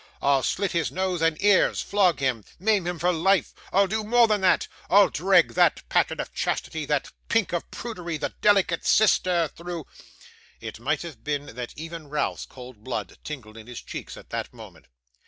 I'll slit his nose and ears, flog him, maim him for life. I'll do more than that; I'll drag that pattern of chastity, that pink of prudery, the delicate sister, through ' It might have been that even Ralph's cold blood tingled in his cheeks at that moment.